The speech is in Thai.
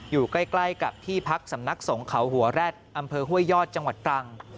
อยู่ใกล้กับที่พักสำนักสงฆ์เขาหัวแร็ดอำเภอห้วยยอดจังหวัดตรัง